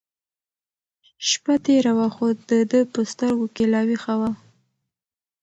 شپه تېره وه خو د ده په سترګو کې لا وېښه وه.